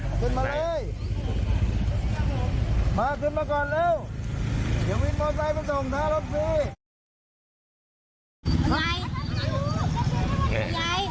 อ่าขึ้นมาเลยมาขึ้นมาก่อนเร็วเดี๋ยววิ่ง